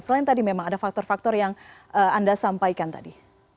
selain tadi memang ada faktor faktor yang anda sampaikan tadi